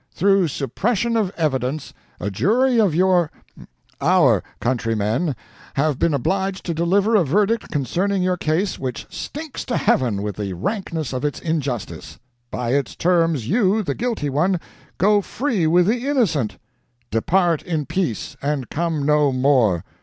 Through suppression of evidence, a jury of your our countrymen have been obliged to deliver a verdict concerning your case which stinks to heaven with the rankness of its injustice. By its terms you, the guilty one, go free with the innocent. Depart in peace, and come no more!